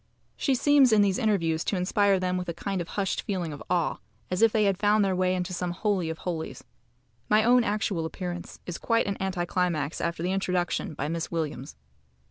She seems in these interviews to inspire them with a kind of hushed feeling of awe, as if they had found their way into some holy of holies. My own actual appearance is quite an anti climax after the introduction by Miss Williams.